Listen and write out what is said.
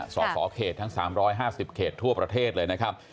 สสเขตทั้ง๓๕๐เขตทั่วประเทศเลยนะครับ